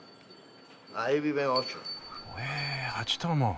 へ８頭も！